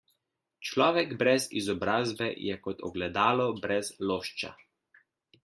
Človek brez izobrazbe je kot ogledalo brez lošča.